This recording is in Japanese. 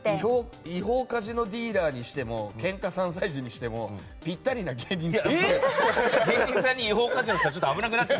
違法カジノディーラーにしてもケンカ３歳児にしてもぴったりな芸人さんって。